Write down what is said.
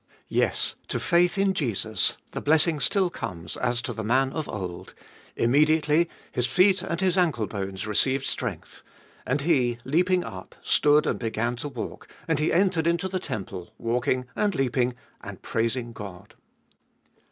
Yes, to faith in Jesus the blessing still comes as to the man of old : Immediately his feet and his ancle bones received strength. A nd he, leaping up, stood, and began to walk ; and he entered into the temple, 'talking, and leaping, and praising God.